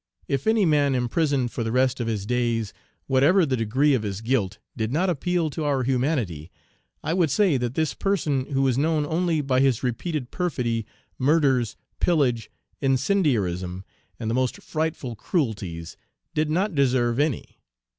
If any man imprisoned for the rest of his days, whatever the degree of his guilt, did not appeal to our humanity, I would say that this person, who is known only by his repeated perfidy, murders, pillage, incendiarism, and the most frightful cruelties, did not deserve any.